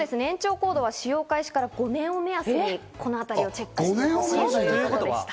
使用開始から５年を目安にチェックしてほしいということでした。